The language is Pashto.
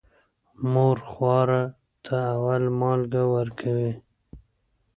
مور خواره ته اول مالګه ورکوي.